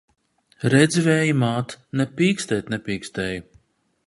Redzi, Vēja māt! Ne pīkstēt nepīkstēju!